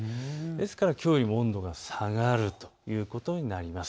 ですからきょうよりも温度が下がるということになります。